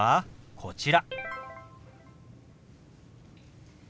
こちら。